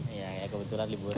kebetulan liburan aja